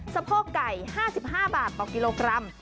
สะโพกไก่๕๕บาทต่อกิโลกรัม